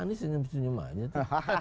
itu nyemanya tuh